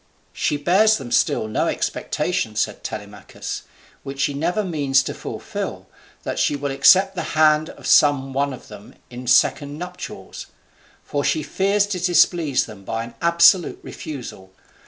"She bears them still in expectation," said Telemachus, "which she never means to fulfil, that she will accept the hand of some one of them in second nuptials. For she fears to displease them by an absolute refusal.